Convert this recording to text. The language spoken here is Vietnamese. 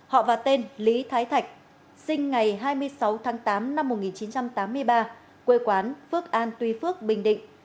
họ và tên lý thái thạch sinh ngày hai mươi sáu tháng tám năm một nghìn chín trăm tám mươi ba quê quán phước an tuy phước bình định